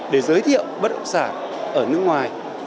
để giới thiệu bất động sản ở nước ngoài